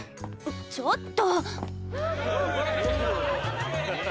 ちょっと！